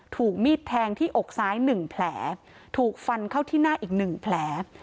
ถูกมีดแทงที่อกซ้าย๑แผลถูกฟันเข้าที่หน้าอีกหนึ่งแผล